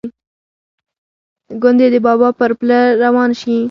ګوندې د بابا پر پله روان شي.